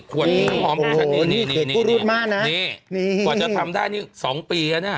ขวดนี้ถูกหอมขัดนี้นี่นี่นี่นี่กว่าจะทำได้๒ปีน่ะนี่อ่ะ